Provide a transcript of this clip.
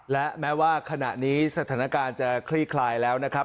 และแม้ว่าขณะนี้สถานการณ์จะคลี่คลายแล้วนะครับ